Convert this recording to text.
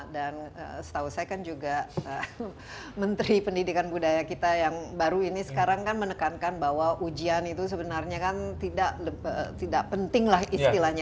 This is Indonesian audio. dan setahu saya kan juga menteri pendidikan budaya kita yang baru ini sekarang kan menekankan bahwa ujian itu sebenarnya kan tidak penting lah istilahnya